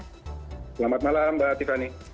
selamat malam mbak tiffany